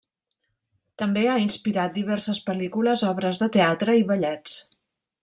També ha inspirat diverses pel·lícules, obres de teatre i ballets.